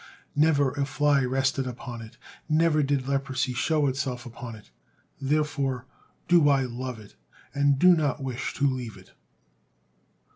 Never a fly rested upon it, never did leprosy show itself upon it. Therefore do I love it, and do not wish to leave it."